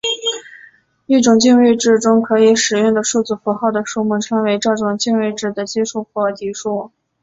一种进位制中可以使用的数字符号的数目称为这种进位制的基数或底数。